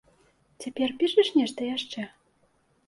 Цяпер пішаш нешта яшчэ?